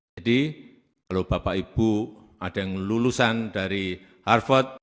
jadi kalau bapak ibu ada yang lulusan dari harvard